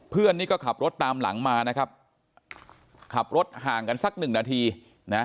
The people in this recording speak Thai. เพื่อนนี่ก็ขับรถตามหลังมานะครับขับรถห่างกันสักหนึ่งนาทีนะ